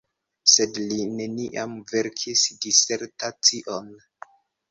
Sed li neniam verkis disertacion.